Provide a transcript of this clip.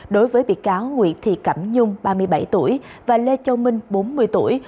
đối với bị cáo nguyễn thị cẩm nhung ba mươi bảy tuổi và lê châu minh bốn mươi tuổi